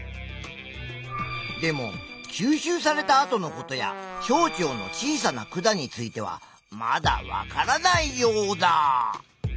でも吸収されたあとのことや小腸の小さな管についてはまだわからないヨウダ！